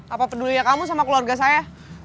apa pedulian kamu sama keluarga saya